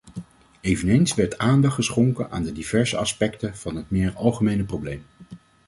Eveneens werd aandacht geschonken aan de diverse aspecten van het meer algemene probleem.